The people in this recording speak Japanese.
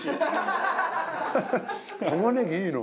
玉ねぎいいな。